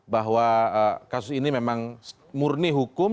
bahwa kasus ini memang murni hukum